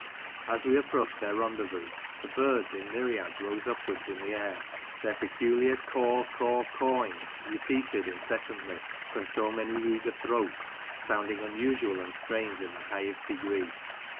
As we approached their rendezvous, the birds in myriads rose upwards in the air, their peculiar caw, caw, cawing, repeated incessantly from so many eager throats sounding unusual and strange in the highest degree.